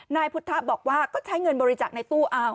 นายพุทธะบอกว่าก็ใช้เงินบริจาคในตู้เอา